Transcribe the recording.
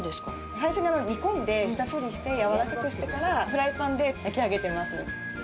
最初に煮込んで下処理してやわらかくしてからフライパンで焼き上げてます。